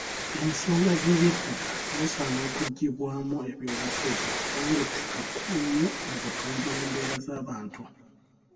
Ensonga z'ebyettaka zisaana okuggyibwamu ebyobufuzi kubanga ettaka kkulu nnyo mu kutumbula embeera z'abantu.